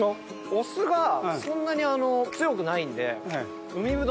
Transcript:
お酢がそんなに強くないんで。